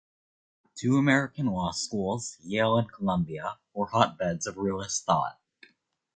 Two American law schools, Yale and Columbia, were hotbeds of realist thought.